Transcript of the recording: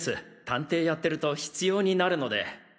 探偵やってると必要になるので。